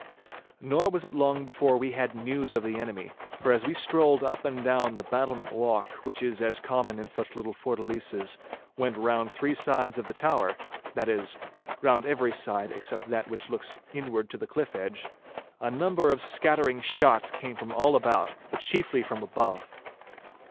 Nor was it long before we had news of the enemy, for as we strolled up and down the battlement walk, which as is common in such little fortalices, went round three sides of the tower—that is, round every side except that which looks inward to the cliff edge—a number of scattering shots came from all about, but chiefly from above.